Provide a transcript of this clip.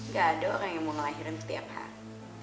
gak ada orang yang mau ngelahirin setiap hari